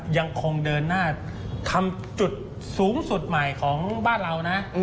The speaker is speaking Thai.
ยังคงเดินหน้าทำจุดสูงสุดใหม่ของบ้านเรานะ